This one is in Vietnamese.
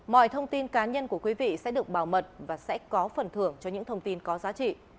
mọi thông tin cá nhân của quý vị sẽ được bảo mật và sẽ có phần thưởng cho những thông tin có giá trị